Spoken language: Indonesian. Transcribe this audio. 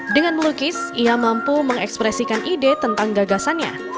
dengan melukis ia mampu mengekspresikan ide tentang gagasannya